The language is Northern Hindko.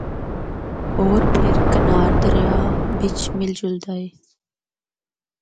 ہور پھر کنہار دریا بچ مِل جُلدا اے۔